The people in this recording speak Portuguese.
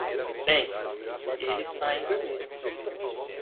Bem, ele está em vermelho.